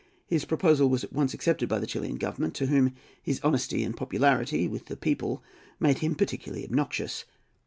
His proposal was at once accepted by the Chilian Government, to whom his honesty and his popularity with the people made him particularly obnoxious.